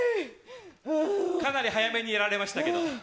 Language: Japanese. かなり早めにやられましたけど。